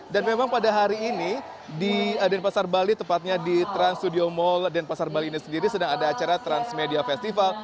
dan memang pada hari ini di trans studio mall dan pasar bali ini sendiri sedang ada acara trans media festival